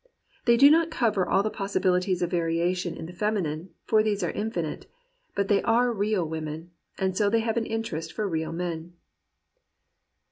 They do not cover all the possibilities of variation in the feminine, for these are infinite, but they are real women, and so they have an interest for real men.